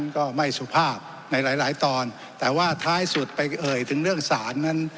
ก็ไม่สุภาพในหลายหลายตอนแต่ว่าท้ายสุดไปเอ่ยถึงเรื่องศาลนั้น